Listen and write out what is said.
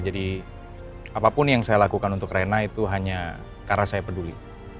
jadi apapun yang saya lakukan untuk rena itu hanya karena saya peduli